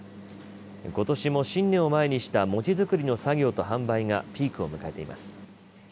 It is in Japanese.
ことしも新年を前にした餅づくりの作業と販売がピークを迎えています。